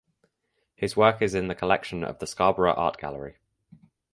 His work is in the collection of the Scarborough Art Gallery.